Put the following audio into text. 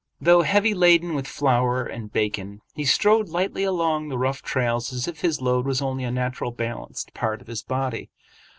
Though heavy laden with flour and bacon, he strode lightly along the rough trails as if his load was only a natural balanced part of his body.